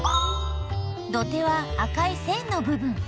土手は赤い線のぶ分。